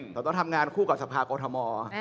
แต่ต้องทำงานคู่กับสภากอทม